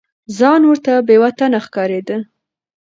ځان ورته بې وطنه ښکارېده.